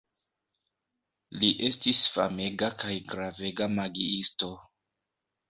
Li estis famega kaj gravega magiisto.